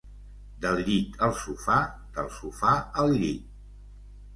Del llit al sofà, del sofà al llit.